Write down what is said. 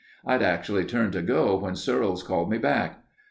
I'd actually turned to go when Searles called me back."